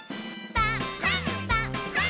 「パンパン」